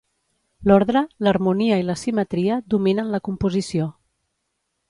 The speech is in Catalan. L'ordre, l'harmonia i la simetria dominen la composició.